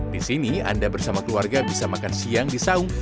di sini anda bersama keluarga bisa makan siang di saung